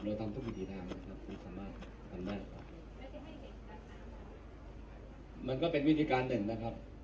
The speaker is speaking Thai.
เราทำทุกวิถีทางนะครับที่สามารถทำมากกว่ามันก็เป็นวิธีการหนึ่งนะครับ